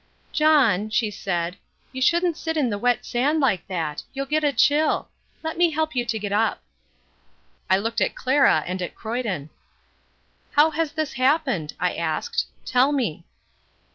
"John," she said, "you shouldn't sit on the wet sand like that. You will get a chill. Let me help you to get up." I looked at Clara and at Croyden. "How has this happened?" I asked. "Tell me."